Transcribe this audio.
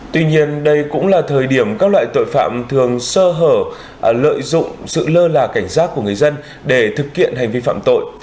tuy nhiên đây cũng là thời điểm các loại tội phạm thường sơ hở lợi dụng sự lơ là cảnh giác của người dân để thực hiện hành vi phạm tội